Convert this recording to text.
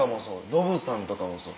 ノブさんとかもそう。